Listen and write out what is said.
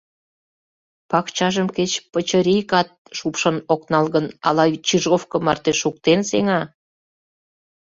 Пакчажым кеч пычырикат шупшын ок нал гын, ала чижовко марте шуктен сеҥа?